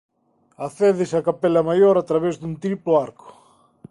Accédese á capela maior a través dun triplo arco.